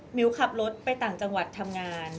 มิวขับรถไปต่างจังหวัดทำงาน